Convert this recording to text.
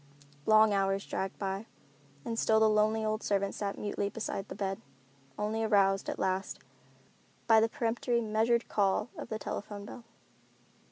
Long hours dragged by, and still the lonely old servant sat mutely beside the bed, only aroused, at last, by the peremptory, measured call of the telephone bell.